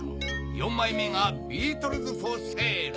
４枚目が『ビートルズ・フォー・セール』。